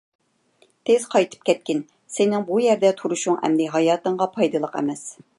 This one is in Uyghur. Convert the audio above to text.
تېز قايتىپ كەتكىن، سېنىڭ بۇ يەردە تۇرۇشۇڭ ئەمدى ھاياتىڭغا پايدىلىق ئەمەس.